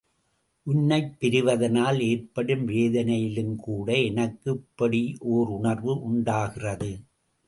உன்னைப் பிரிவதனால் ஏற்படும் வேதனையிலும்கூட எனக்கு இப்படி ஓருணர்வு உண்டாகிறது!